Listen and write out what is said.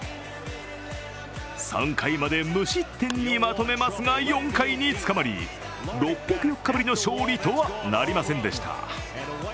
３回まで無失点にまとめますが４回につかまり６０４日ぶりの勝利とはなりませんでした。